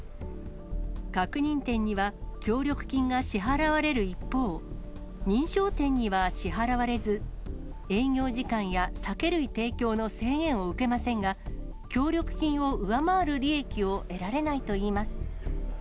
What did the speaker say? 確認店には協力金が支払われる一方、認証店には支払われず、営業時間や酒類提供の制限を受けませんが、協力金を上回る利益を得られないといいます。